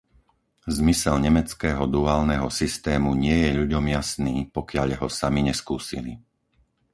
Zmysel nemeckého duálneho systému nie je ľuďom jasný, pokiaľ ho sami neskúsili.